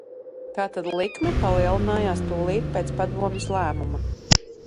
Tātad likme palielinājās tūlīt pēc Padomes lēmuma.